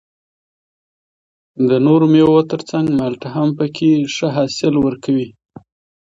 د نورو مېوو تر څنګ مالټه هم پکې ښه حاصلات ورکوي